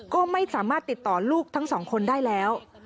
ก็ไม่สามารถติดต่อลูกทั้งสองคนได้แล้ว